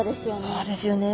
そうですよね。